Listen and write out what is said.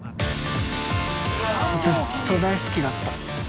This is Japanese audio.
ずっと大好きだった。